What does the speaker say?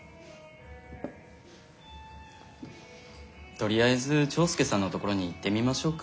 とりあえずチョウスケさんのところに行ってみましょうか。